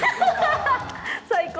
最高。